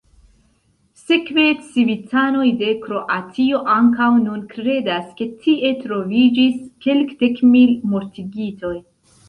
Sekve civitanoj de Kroatio ankaŭ nun kredas, ke tie troviĝis kelkdekmil mortigitoj.